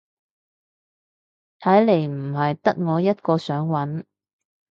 睇嚟唔係得我一個想搵